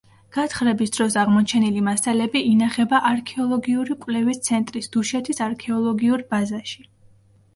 გათხრების დროს აღმოჩენილი მასალები ინახება არქეოლოგიური კვლევის ცენტრის დუშეთის არქეოლოგიურ ბაზაში.